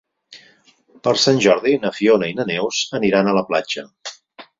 Per Sant Jordi na Fiona i na Neus aniran a la platja.